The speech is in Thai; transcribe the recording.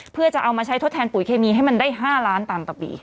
เพื่อจะเอามาใช้ทดแทนปุ๋ยเคมีให้มันได้๕ล้านตามต่อปี